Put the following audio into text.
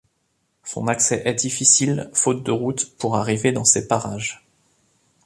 Son accès est difficile, faute de route pour arriver dans ses parages.